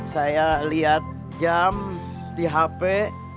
saya lihat jam di hp